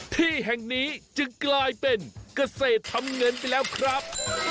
ที่แห่งนี้จึงกลายเป็นเกษตรทำเงินไปแล้วครับ